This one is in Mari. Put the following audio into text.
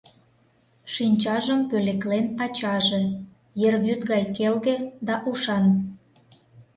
Шинчажым пӧлеклен ачаже: ер вӱд гай келге да ушан.